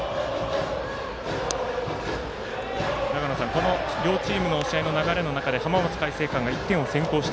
この両チームの試合の流れの中で浜松開誠館が１点を先行した